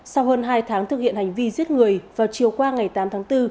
sau hơn hai tháng thực hiện hành vi giết người vào chiều qua ngày tám tháng bốn